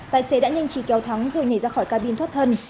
tài xế đã nhanh trì kéo thắng rồi nhảy ra khỏi cabin thoát thân